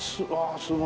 すごい！